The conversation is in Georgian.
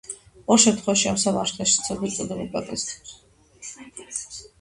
ორ შემთხვევაში ამ სამარხებში ეგრედ წოდებული კაკლის ნაჭუჭისებრი ნაკეთობებია აღმოჩენილი.